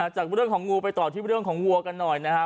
จากเรื่องของงูไปต่อที่เรื่องของวัวกันหน่อยนะครับ